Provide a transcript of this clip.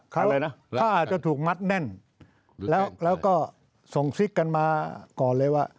เขาถ้าจะถูกมัดแน่นแล้วก็ส่งซิกกันมาก่อนเลยว่า